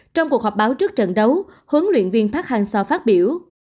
trong cuộc họp báo trước trận đấu huấn luyện viên park hang seo phát biểu